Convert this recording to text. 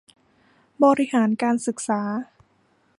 บริหารการศึกษา